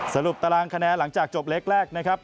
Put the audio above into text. สรุปตารางคะแนนหลังจากจบเล็กแรกนะครับ